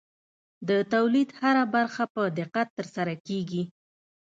د تولید هره برخه په دقت ترسره کېږي.